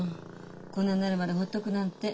こんなになるまでほっとくなんて。